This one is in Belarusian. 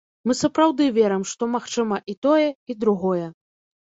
Мы сапраўды верым, што магчыма і тое, і другое.